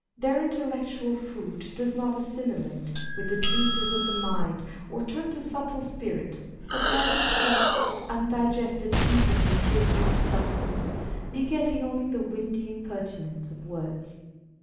Their intel lectual food does not assimilate with the juices of the mind, or turn to subtle spirit, but lies a crude, undigested heap of material substance, begetting only the windy impertinence of words.